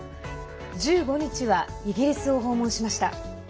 １５日はイギリスを訪問しました。